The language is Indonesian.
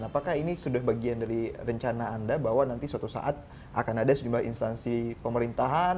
apakah ini sudah bagian dari rencana anda bahwa nanti suatu saat akan ada sejumlah instansi pemerintahan